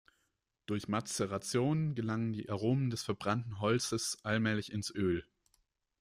Durch Mazeration gelangen die Aromen des verbrannten Holzes allmählich ins Öl.